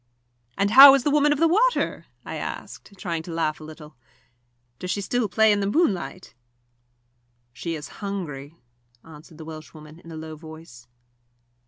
"And how is the Woman of the Water?" I asked, trying to laugh a little. "Does she still play in the moonlight?" "She is hungry," answered the Welshwoman, in a low voice.